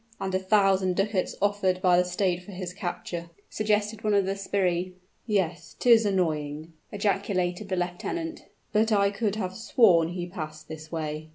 "And a thousand ducats offered by the state for his capture," suggested one of the sbirri. "Yes; 'tis annoying!" ejaculated the lieutenant, "but I could have sworn he passed this way."